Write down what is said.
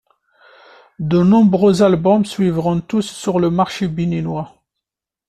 De nombreux albums suivront tous sur le marché béninois.